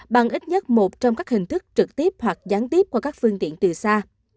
bằng ít nhất một trong các hình thức trực tiếp hoặc gián tiếp qua các phương tiện từ xa